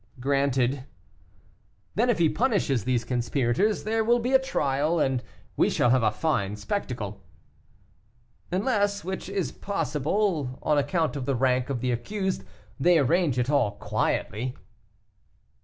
"Granted." "Then if he punishes these conspirators there will be a trial, and we shall have a fine spectacle." "Unless, which is possible, on account of the rank of the accused, they arrange it all quietly."